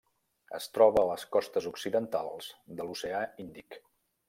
Es troba a les costes occidentals de l'Oceà Índic.